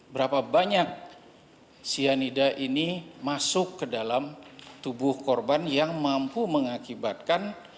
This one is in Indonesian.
berapa banyak cyanida ini masuk ke dalam tubuh korban yang mampu mengakibatkan